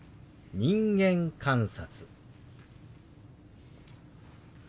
「人間観察」。